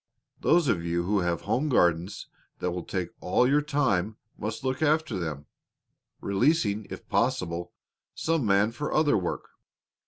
Those of you who have home gardens that will take all your time must look after them, releasing, if possible, some man for other work.